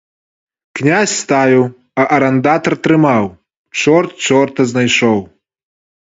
Князь ставіў, а арандатар трымаў, чорт чорта знайшоў.